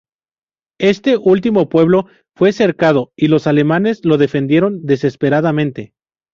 Este último pueblo fue cercado y los alemanes lo defendieron desesperadamente.